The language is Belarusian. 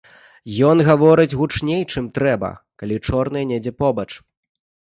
Ён гаворыць гучней, чым трэба, калі чорныя недзе побач.